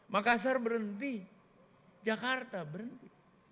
makassar berhenti jakarta berhenti